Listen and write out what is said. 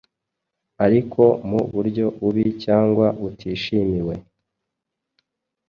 ariko mu buryo bubi cyangwa butishimiwe.